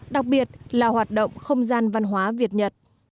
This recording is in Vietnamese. đặc biệt là hoạt động không gian văn hóa việt nhật